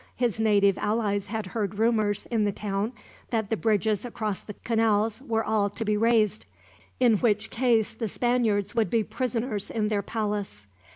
His native allies had heard rumors, in the town, that the bridges across the canals were all to be raised; in which case the Spaniards would be prisoners in their palace.